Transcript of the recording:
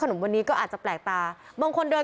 เป็นลุคใหม่ที่หลายคนไม่คุ้นเคย